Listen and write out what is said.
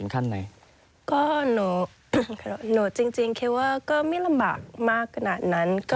ก็จริงว่าก็ไม่ลำบากมากขนาดนั้น